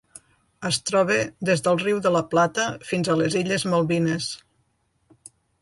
Es troba des del Riu de la Plata fins a les Illes Malvines.